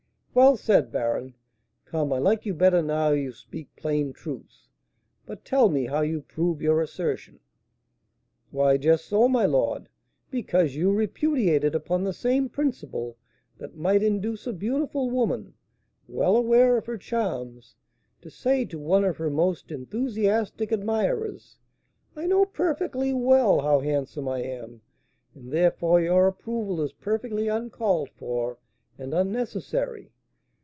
"Well said, baron! Come, I like you better now you speak plain truths. But tell me how you prove your assertion?" "Why, just so, my lord; because you repudiate it upon the same principle that might induce a beautiful woman, well aware of her charms, to say to one of her most enthusiastic admirers, 'I know perfectly well how handsome I am, and therefore your approval is perfectly uncalled for and unnecessary.